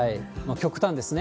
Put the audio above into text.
極端ですね。